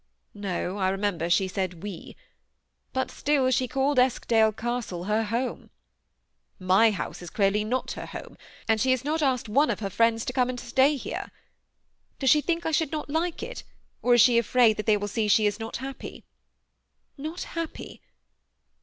No, I remember she said we; but still she called Eskdale Castle her home. My house is clearly not her home ; and she has not asked one of her friends to come and 78 THE SEMT ATTAOHED €OTJPLB. Stay here. Does she think I i^uld not like it, or is she afraid that they will see she is not happy ? Not happy!